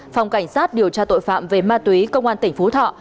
phòng cảnh sát điều tra tội phạm về ma túy công an tỉnh phú thọ